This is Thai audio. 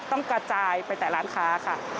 ต้องกระจายไปแต่ร้านค้าค่ะ